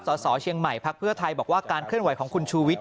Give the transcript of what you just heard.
สสเชียงใหม่พักเพื่อไทยบอกว่าการเคลื่อนไหวของคุณชูวิทย